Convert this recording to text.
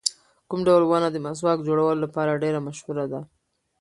کوم ډول ونه د مسواک جوړولو لپاره ډېره مشهوره ده؟